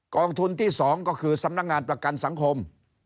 องทุนที่๒ก็คือสำนักงานประกันสังคม